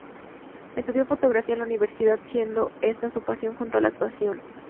Estudió fotografía en la universidad, siendo esta su pasión junto a la actuación.